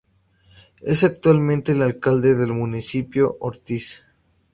Es actualmente el Alcalde del Municipio Ortiz.